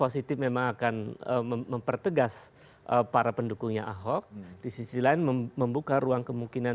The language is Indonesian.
setega itu kan